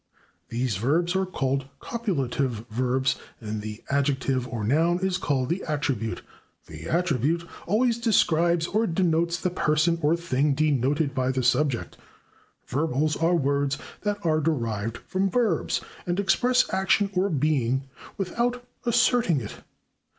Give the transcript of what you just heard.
These Verbs are called Copulative Verbs, and the Adjective or Noun is called the Attribute. The Attribute always describes or denotes the person or thing denoted by the Subject. Verbals are words that are derived from Verbs and express action or being without asserting it.